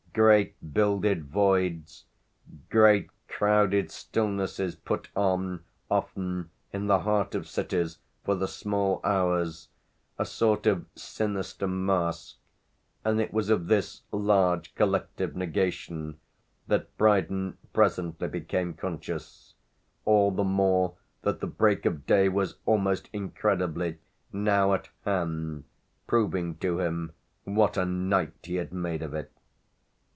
Great builded voids, great crowded stillnesses put on, often, in the heart of cities, for the small hours, a sort of sinister mask, and it was of this large collective negation that Brydon presently became conscious all the more that the break of day was, almost incredibly, now at hand, proving to him what a night he had made of it.